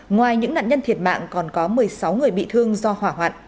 ngoài những nạn nhân thiệt mạng còn có một mươi sáu người bị thương do hỏa hoạn